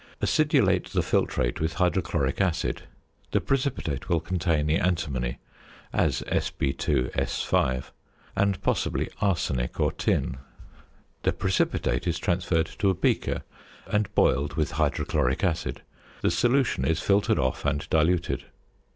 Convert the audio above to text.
Acidulate the filtrate with hydrochloric acid: the precipitate will contain the antimony (as Sb_S_), and possibly arsenic or tin. The precipitate is transferred to a beaker and boiled with hydrochloric acid; the solution is filtered off and diluted.